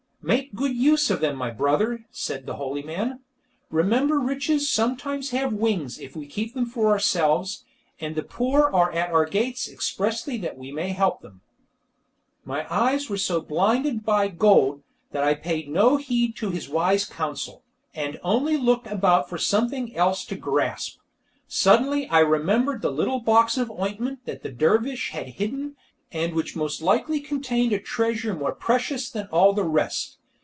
"Make a good use of them, my brother," said the holy man. "Remember riches sometimes have wings if we keep them for ourselves, and the poor are at our gates expressly that we may help them." My eyes were so blinded by gold, that I paid no heed to his wise counsel, and only looked about for something else to grasp. Suddenly I remembered the little box of ointment that the dervish had hidden, and which most likely contained a treasure more precious than all the rest.